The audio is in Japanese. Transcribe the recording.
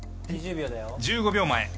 １５秒前。